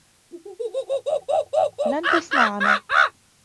لن تسمعنا.